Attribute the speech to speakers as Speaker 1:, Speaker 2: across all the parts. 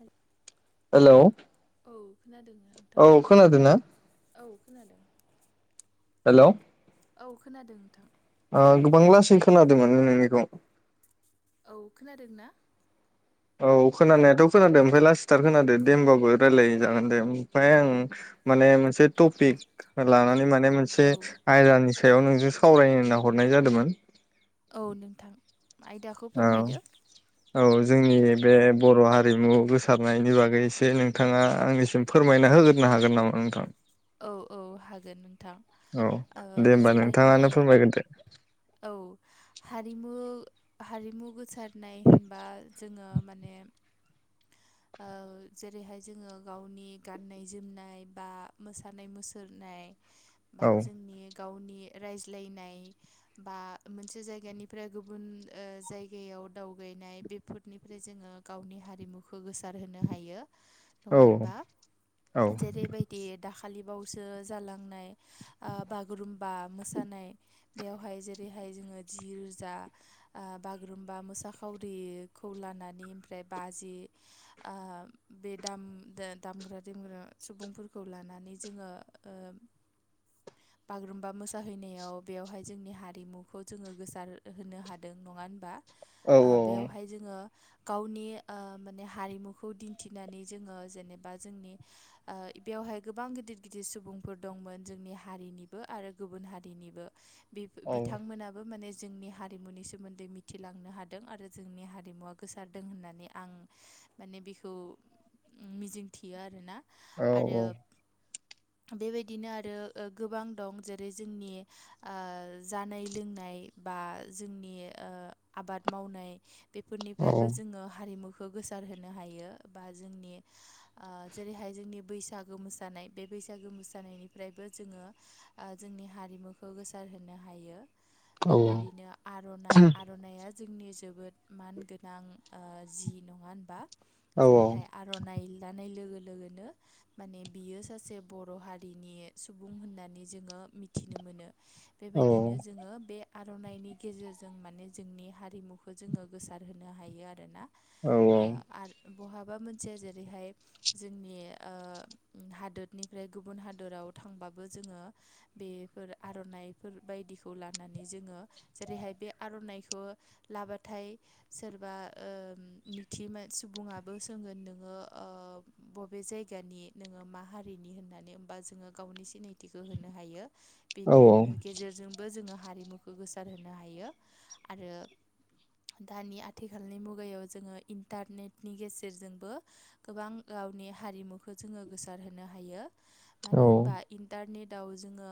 Speaker 1: आरो।
Speaker 2: हेलौ।
Speaker 1: औ खोनादों नोंथां
Speaker 2: औ खोनादों ना
Speaker 1: औ खोनादों।
Speaker 2: हेल'।
Speaker 1: औ खोनादों नोंथां।
Speaker 2: गोबां लासै खोनादोंमोन नोंनिखौ।
Speaker 1: औ खोनादों ना।
Speaker 2: औ खोनानायाथ' खोनादों ओमफ्राय लासैथार खोनादो दे होमबाबो रायजलायजागोन दे ओमफ्राय आं। माने मोनसे टपिक लानानै माने। मोनसे
Speaker 1: औ
Speaker 2: आयदानि सायाव नोंजों सावरायनो होनना हरनाय जादों मोन।
Speaker 1: औ नोंथां आयदाखौ फोरमायदो।
Speaker 2: औ औ जोंनि बे बर' हारिमु गोसारनायनि बागै एसे नोंथाङा आंनिसिम फोरमायना। होग्रोनो हागोन नामा नोंथां।
Speaker 1: औ औ हागोन।
Speaker 2: औ दे होमबा नोंथाङानो
Speaker 1: जेरैहाय
Speaker 2: फोरमायग्रोदो
Speaker 1: औ। हारिमु हारिमु गोसारनाय होनबा जोङो माने। ओ। जेरैहाय जोङो गावनि गाननाय जोमनाय बा मोसानाय मुसुरनाय। बा
Speaker 2: औ
Speaker 1: जोंनि गावनि रायज्लायनाय बा मोनसे जायगानिफ्राय गुबुन ओ जायगायाव दावबायनाय बेफोरनिफ्राय जोङो गावनि हारिमु खै गोसार होनो हायो
Speaker 2: औ
Speaker 1: नङा हबा।
Speaker 2: औ
Speaker 1: जेरै'बायदि दाखालिबावसो जालांनाय आं बागुरुम्बा मोसानाय बेयावहाय जेरै' बेहाय जोङो जि रोजा ओ बागुरुम्बा मोसाखावरिखौ लानानै फ्राय बाजि
Speaker 2: [inaudible]
Speaker 1: ओ बे दाम दा दामग्रा देंग्रा सुबुंफोरखौ लानानै जोङो ओ बागुरुम्बा मोसाहैनायाव बेवहाय जोंनि हारिमुखौ जोङो गोसार होनो हादों नङा होनबा?
Speaker 2: औ
Speaker 1: ओ बेयावहाय जोङो गावनि ओ माने हारिमुखौ दिन्थिनानै जोङो जेनेबा जोंनि ओ बेवहाय गोबां गिदिर गिदिर सुबुं फोर दंमोन जोंनि हारिनिबो आरो गुबुन हारिनिबो बि
Speaker 2: औ
Speaker 1: बिथांमोनाबो माने जोंनि हारिमुनि सोमोन्दै मिथिलांनो हादों आरो जोंनि हारिमुआ गोसारदों होननानै आं माने बेखौ ओम मिजिं थियो आरोना
Speaker 2: औ औ
Speaker 1: आरो बेबायदिनो आरो गोबां दं जेरै' जोंनि ओ जानाय लोंनाय नाय बा जोंनि ओ आबाद मावनाय
Speaker 2: औ
Speaker 1: बेफोरनिफ्रायबो जोङो हारिमु खौ गोसार होनोनो हायो बा जोंनि जेरैहाय जोंनि बैसागो मोसानाय बे बि बैसागो मोसानायनिफ्रायबो जोङो ओ जोंनि हारिमुखौ गोसार होनोनो हायो।
Speaker 2: औ औ
Speaker 1: बेबायदिनो आर'नाइ आर'नायइया जोंनि जोबोद मानगोनां ओ जि नङा होनबा?
Speaker 2: होमबा
Speaker 1: जेरै'हाय आर'नाइ लानाय लोगो लोगोनो माने बियो सासे बर' हारिनि सुबुं होननानै जोङो मिथिनो मोनो। बेबायदिनो जोङो बे आर'नाइनि गेजेरजों माने जोंनि हारिमुखौ जोङो गोसार होनोनो हायो आरो ना। ओ आरो बहाबा मोनसेया जेरै'हाय जोंनि ओ हादोरनिफ्राय गुबुन हादोराव थांबाबो जोङो बेफोर आर'नाइफोर बायदिखौ लानानै जोङो जेरै'हाय बे आर'नाइखौ लाबाथाय सोरबा ओ मिथियै सुबुङाबो सोंगोन नोङो ओ बबे जायगानि नोङो मा हारि नि होनानै गावनि सिनायथिखौ होनो हायो बेनि ओ गेजेरजोंबो जोङो हारिमुखौ गोसार होनो हायो आरो दानि आथिखालनि मुगायाव जोङो इन्टारनेटनि गेजेरजोंबो गोबां आवनि हारिमुखौ जोङो गोसार होनो हायो। मानो होनबा इन्टारनेट दाउ जोङो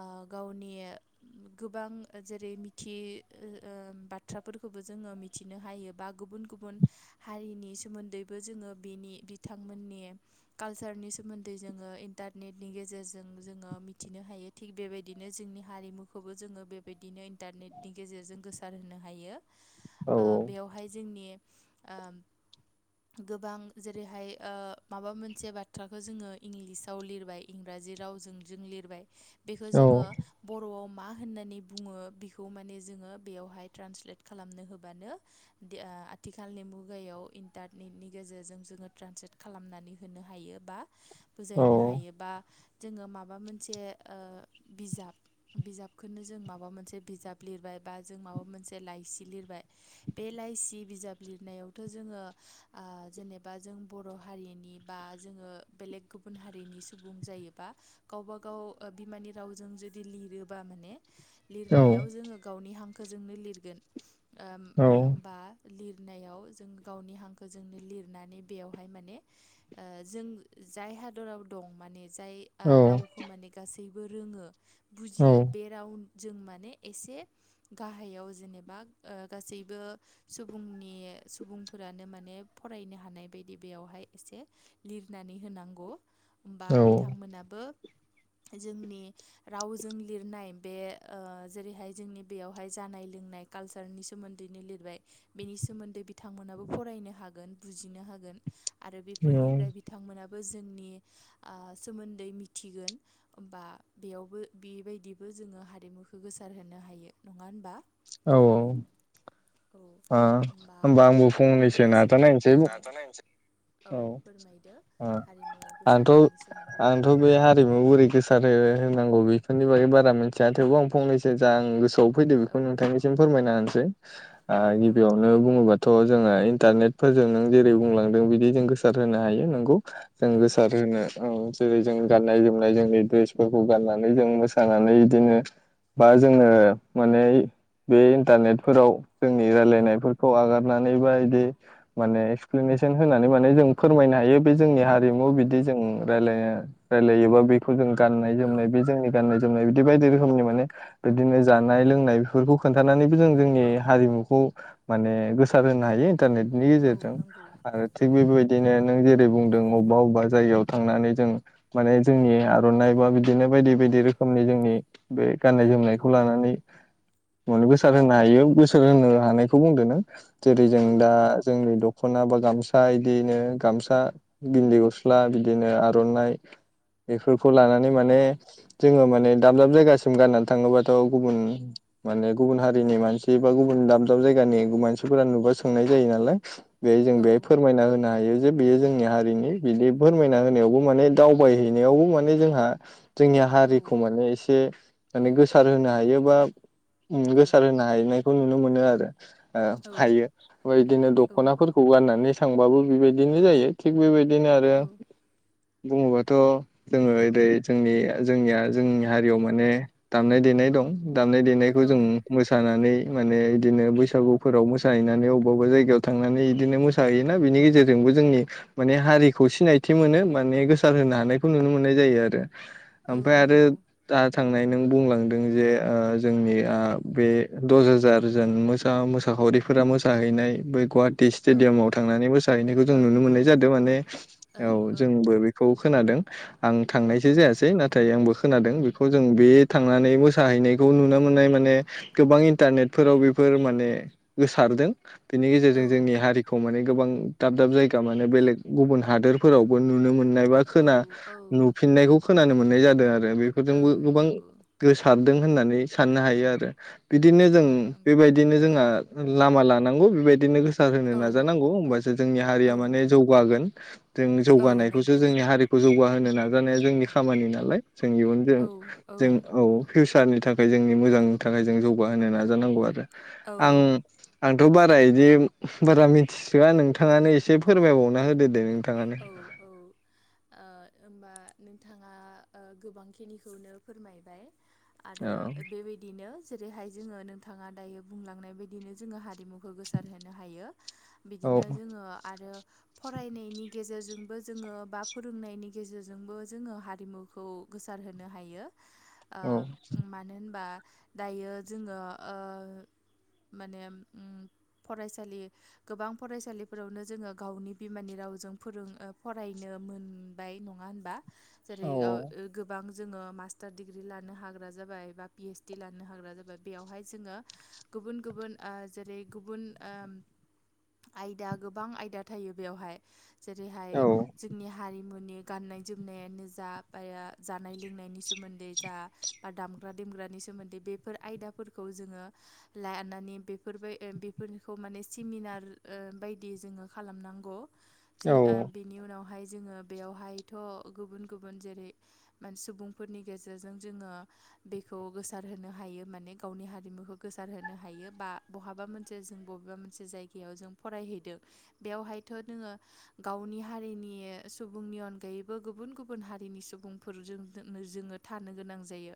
Speaker 1: ओ गावनि गोबां जेरै' बिथि ओ ओ बाथ्राफोरखौबो जोङो मिथिनो हायो‌ बा‌ गुबुन गुबुन हारिनि सोमोन्दैबो जोङो बेनि बिथांमोननि कालचारनि सोमोन्दै जोङो इन्टारनेटनि गेजेरजों जोङो मिथिनो हायो थिग बेबायदिनो जोंनि हारिमु खौबो जोङो बेबायदिनो इन्टारनेनि गेजेरजों गोसार होनो हायो ओ बेवहाय नि ओ गोबां जेरै' हाय ओ माबा मोनसे बाथ्राखौ जोङो इंलिसाव लिरबाय इंरा जिराव जों लिरबाय बेखौ जोङो बर'आव मा होननानै बुङो बेखौ माने जोङो बेयावहाय ट्रान्सलेट खालामनो होबानो दि आ आथिखालनि मुगायाव इन्टारनेटनि गेजेरजों जोङो ट्रान्सलेट खालामनानै होनो हायो बा बुजायनो हायो बा जोङो माबा मोनसे ओ बिजाब बिजाबखौनो जों माबा मोनसे बिजाब लिरबाय बा जों माबा मोनसे लाइसि लिरबाय बे लाइसि बिजाब लिरनायावथ' जोङो ओ जेनेबा जों बर' हारिनि बा जोङो बेले गुबुन हारिनि सुबुं जायोबा गावबा गाव बिमानि रावजों जुदि लिरोबा माने लिरनायाव
Speaker 2: आंबो
Speaker 1: जोङो गावनि हांखोजोंनो लिरगोन ओम ओम
Speaker 2: औ
Speaker 1: बा लिरनायाव जों गावनि हांखो जोंनो लिरनानै बेयावहाय माने ओ जों जाय हादराव दं माने जाय आ रावखौ माने गासैबो रोङो बुजियो बे राव जों माने एसे गाहायाव जेनेबा ओ गासै बो सुबुंनि सुबुंफोरानो माने फरायनो हानाय बायदि बेयावहाय एसे लिरनानै होनांगौ होमबा बिथांमोनाबो
Speaker 2: [inaudible]
Speaker 1: जोंनि रावजों लिरनाय बे ओ जेरैहाय जोंनि बेयावहाय जानाय लोंनाय काल्सारनि सोमो दैनो लिरबाय बेनि सोमोन्दै बिथांमोनाबो फरायनो हागोन बुजिनो हागोन। आरो बेफोरनिफ्राय बिथांमोनाब बो जोंनि आ सोमोन्दै मिथिगोन ओमबा बेयावबो बेबायदिबो जोङो हारिमुखौ गोसार होनो हायो नङा होनबा
Speaker 2: औ औ।
Speaker 1: औ
Speaker 2: आ
Speaker 1: होमबा
Speaker 2: होनबा आंबो
Speaker 1: नोंथाङाबो
Speaker 2: फंनैसो
Speaker 1: एसे
Speaker 2: नाजानाय नोसै
Speaker 1: फोरमाय
Speaker 2: औ आ
Speaker 1: हारिमु
Speaker 2: आंथ'
Speaker 1: गोसारनायनि सोमोन्दै
Speaker 2: आंथ' बे हारिमु बोरै गोसारो होनांगौ बेफोरनि बागै बारा मिनथिया थेवबो आं फंनैसो जा आं गोसोआव फैदो
Speaker 1: औ
Speaker 2: बेखौ नोंथांनिसिम फोरमायना होनसै आ
Speaker 1: औ औ
Speaker 2: गिबियावनो बुङोबाथ' जोङो इन्टारनेटफोरजों नों जेरै बुंलांदों बिदि जों गोसार होनो हायो नोंगौ जों गोसार होनो औ जेरै जों गाननाय जोमनाय जोंनि द्रेसफोरखौ गाननानै जों मोसानानै इदिनो बा जोङो माने बे इन्टारनेटफोराव जोंनि रायलायनायफोरखौ आगारनानै बा इदि माने एक्सप्लेनेसन होनानै माने जों फोरमायनो हायो बे जोंनिया हारिमु
Speaker 1: औ
Speaker 2: बिदि जों रायलाया रायलायोबा बेफो जों गाननाय
Speaker 1: औ
Speaker 2: जोमनाय बे जोंनि गाननाय जोनाय बिदि बायदि रोखोमनि माने बिदिनो जानाय लोंनाय बेफोरखौ खोनन्थानानैबो जों जोंनि हारिमुखौ माने गोसार होनो हायो। इन्टारनेटनि
Speaker 1: औ
Speaker 2: गेजेरजों
Speaker 1: नंगौ
Speaker 2: आरो
Speaker 1: औ
Speaker 2: थिग बेबायदिनो नों जे दे बुंदों अबा अब जायगायाव थांनानै जों माने जोंनि आर'नाइ बा बिदिनो बायदि बायदि रोख खोमनि जोंनि बे गाननाय
Speaker 1: औ
Speaker 2: जोमनायखौ लानानै मोन
Speaker 1: औ
Speaker 2: गोसार होनो हायो बोसोर होनो हानायखौ बुंदो नो जेरै जों दा जोंनि दख खना बा गामसा इदिनो गामसा गिन्दि गस्ला बिदिनो आर'नाइ बेफोरखौ लानानै
Speaker 1: औ
Speaker 2: माने जोङो माने दाब दाब जायगासिम गाननानै थाङोबाथ' गुबुन माने गुबुन हारिनि मानसि बा गुबुन दाब दाब जायगानि गु मानसिफोरा नुबा सोंनाय जायो नालाय बेयो जों बेहाय
Speaker 1: औ
Speaker 2: फोरमायना होनो हायो जे बेयो जोंनि हारिनि बिदि फोरमायना होनायावबो माने दावबायहैनायावबो माने जोंहा जोंनि
Speaker 1: औ
Speaker 2: हारिखौ माने एसे माने गोसार होनो हायो बा उम बे गोसार होनो हायैनायखौ नुनो मोनो आरो ओ हायो बे बायदिनो दख'नाफोरखौ गाननानै थांबाबो बेबायदिनो जायो थिग बेबायदिनो आरो
Speaker 1: औ
Speaker 2: बुङोबाथ' जोङो ओरै जोंनि जोंनिया जोंनि हारियाव माने दामनाय देनाय दं। दामनाय देनायखौ
Speaker 1: औ
Speaker 2: जों मोसानानै माने बिदिनो बैसागुफोराव मोसाहैनानै अबबा अबबा जायगायाव थांनानै इदिनो मोसाहैयोना बिनि गेजेरजों बो जोंनि माने हारिखौ सिनायथि मोनो माने गोसार होनो हानायखौ नुनो मोननाय जायो आरो
Speaker 1: औ
Speaker 2: ओमफाय आरो
Speaker 1: नंगौ
Speaker 2: दा थांनाय नों बुंलांदों जे ओ जोंनि आ बे दस हाजार जोन मोसा मोसाखावरिफोरा मोसाहैनाय बै गवाट टि
Speaker 1: औ
Speaker 2: स्टेडियामाव थांनानै मोसाहैनायखौ जों
Speaker 1: औ
Speaker 2: नुनो मोननाय जादों
Speaker 1: औ
Speaker 2: माने औ जोंबो बेखौ खोनादों। आं थांनायसो जायासै नाथाय आंबो खोनादों बेखौ जों बे
Speaker 1: औ
Speaker 2: थांनानै मोसाहैनाय खौ नुनो मोननाय माने गोबां इन्टारनेटफोराव बेफोर माने गोसारदों। बेनि
Speaker 1: औ
Speaker 2: गेजेरजों जोंनि हारिखौ माने गोबां दाब दाब जायगा माने बेलेग गुबुन हादोरफोरावबो नुनो मोनो बा खोना नुफिननायखौ खोनानो मोननाय जादों आरो बेफोरजोंबो गोबां
Speaker 1: नंगौ
Speaker 2: गोसारदों होननानै साननो हायो आरो बि दिनो
Speaker 1: औ
Speaker 2: जों
Speaker 1: नंगौ
Speaker 2: बेबायदिनो जोंहा लामा लानांगौ बेबायदिनो गोसो सार होनो
Speaker 1: औ
Speaker 2: नाजानांगौ होमबासो जोंनि
Speaker 1: औ
Speaker 2: हारिया माने जौगागोन। जों
Speaker 1: औ
Speaker 2: जौगानायखौसो
Speaker 1: नंगौ
Speaker 2: जोंनि हारिखौ जौगाहोनो नाजानाया जोंनि खामानि नालाय जों इयुनजों
Speaker 1: औ
Speaker 2: जों औ फिउसारनि थाखाय जोंनि मोजांनि थाखाय जों जौग जौगाहोनो नाजानांगौ आरो
Speaker 1: औ
Speaker 2: आं
Speaker 1: औ
Speaker 2: आंथ' बारा बिदि बारा मिथिसोया नोंथाङानो इसे फोरमायबावना होदो दे नोंथां
Speaker 1: औ औ। ओ होमबा आरो जेरैहाय जोङो नोंथाङा दायो बुंलांनाय बायदिनो जोङो हारिमुखौ गोसार होनो हायो।
Speaker 2: औ
Speaker 1: बिदिनो जोङो आरो फरायनायनि गेजेरजोंबो जोङो बा फोरोंनायनि गेजेरजोंबो जोङो हारिमुखौ गोसारहोनो हायो। ओ
Speaker 2: औ
Speaker 1: मानो होनबा दायो जोङो ओ माने उम फरायसालि गोबां फरायसालिफोरावनो जोङो गावनि बिमानि रावजों फोरों फरायनो मोनबाय नङा होनबा जेरै औ गोबां जोङो मास्टार दिडिग्रि लानो हाग्रा जाबाय बा पि एस डि लानो हाग्रा जाबाय बेवहाय जोङो गुबुन-गुबुन आ जेरै गुबुन आ आयदा गोबां
Speaker 2: औ
Speaker 1: मुनि गाननाय जोमनायानो जा बा जानाय लोंनायनि सोमोन्दै जा बा दामग्रा दे ग्रानि सोमोन्दै बेफोर आयदाफोरखौ जोङो लानानै बेफोरबो ए बेफोरखौबो माने सेमिनार ओ बायदि जोङो खालामनांगौ
Speaker 2: औ
Speaker 1: सि आ बिनि उनावहाय जोङो बेयावहायथ' गुबुन-गुबुन जेरै मानस सुबुंफोरनि गेजेरजों जोङो बेखौ गोसार होनो हायो माने गावनि हारिमुखौ गोसार होनो हायो बा बहाबा मोनसे जों बबेबा मोनसे जायगायाव जों फरायहैदों बेयावहायथ' नोङो गावनि हारिनि सुबुंनि अनगायैबो गुबुन-गुबुन हारिनि सुबुंफोरजों जो जोङो थानो गोनां जायो।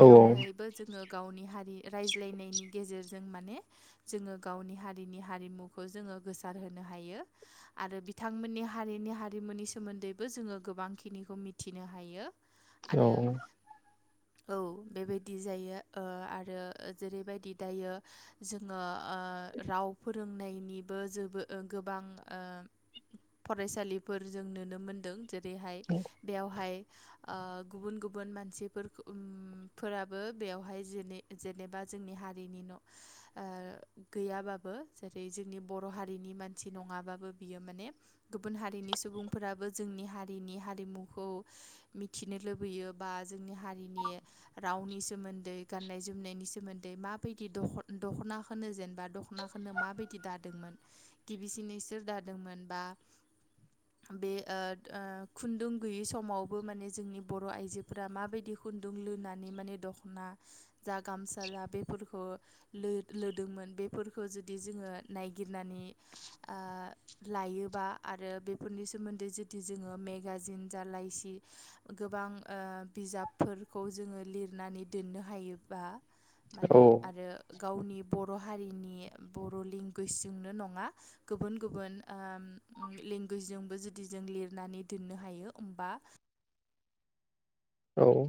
Speaker 1: बेयावहायबो जोङो गावनि हारि रायज्लायनायनि गेजेरजों माने जोङो गावनि हारिनि हारिमुखौ जोङो गोसारहोनो हायो आरो बि बिथांमोननि हारिनि हारिमुनि सोमोन्दैबो जोङो गोबांखिनिखौ मिथिनो हायो।
Speaker 2: औ
Speaker 1: आरो औ बेबायदि जायो। ओ आरो जेरैबायदि दायो जोङो आ राव फोरोंनायनिबो जोबो गोबां ओ फरायसालिफोर जों नुनो मोनदों जेरैहाय बेयावहाय आ गुबुन-गुबुन मानसिफोरखौ फोराबो बेवहाय जे जेनेबा जोंनि हारिनि न' आ गैयाबाबो जेरै जोंनि बर' हारिनि मानसि दं। माबाबो- बियो माने गुबुन हारिनि सुबुंफोराबो जोंनि हारिनि हारिमुखौ मिथिनो लुबैयो बा जोंनि हारिनि रावनि सोमोन्दै गान्नाय जोमनायनि सोमोन्दै माबायदि नि द'ख' द'खनाखोनो जेनेबा द'खनाखोनो माबायदि दादोंमोन गिबिसिन इसोर दा दोंमोन बा बे ओ-ओ खुन्दुं गैयै समावबो माने जोंनि बर' आइजोफोरा माबायदि खुन्दुं लुनानै माने दख'ना जा गामसा जा बेफोरखौ लो- लोदोंमोन। बेफोरखौ जुदि जोङो नायगिरनानै आ लायोबा आरो बेफोरनि सोमोन्दै जुदि जोङो मेगाजिन जा लाइसि गोबां गोबां ओ बिजाबफोरखौ जोङो लिरनानै दोननो हायोबा
Speaker 2: औ
Speaker 1: माने आरो गावनि बर' हारिनि बर' लेंगुवेजजोंनो नङा गुबुन-गुबुन ओम ओ लेंगुवेजजोंबो जुदि जों लिरनानै दोननो हायो ओमबा
Speaker 2: औ।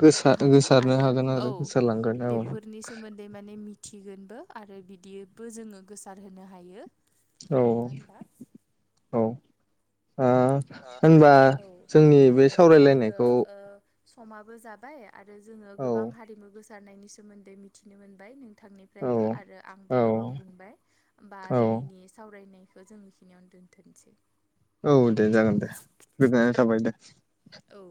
Speaker 2: गोसा
Speaker 1: नो हागोन
Speaker 2: गोसारनो
Speaker 1: आरो
Speaker 2: हागोन
Speaker 1: औ
Speaker 2: गोसारलांगोन औ
Speaker 1: बेफोरनि सोमोन्दै माने मिथिगोन बो आरो बिदिबो जोङो गोसार होनो हायो।
Speaker 2: औ
Speaker 1: नङा होनबा
Speaker 2: औ
Speaker 1: आ औ
Speaker 2: जोंनि बे
Speaker 1: आरो दायो
Speaker 2: सावरायलायनायखौ
Speaker 1: ओ समाबो जाबाय आरो जोङो
Speaker 2: औ
Speaker 1: गोबां हारिमु गोसारनायनि सोमोन्दै मिथिनो मोनबाय।
Speaker 2: औ
Speaker 1: नोंथांनिफ्रायबो आरो
Speaker 2: औ
Speaker 1: आंबो गोबां बुंबाय ओमबा
Speaker 2: औ
Speaker 1: दिनैनि सावरायनाय खौ जों बेखिनियावनो दोन्थनोसै।
Speaker 2: औ दे जागोन दे गोजोननाय थाबाय दे।
Speaker 1: औ।